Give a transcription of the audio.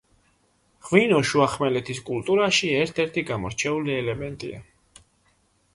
ღვინო შუახმელეთის კულტურაში ერთ-ერთი გამორჩეული ელემენტია.